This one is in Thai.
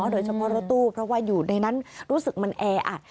โดยเฉพาะรถตู้เพราะว่าอยู่ในนั้นรู้สึกมันแออัด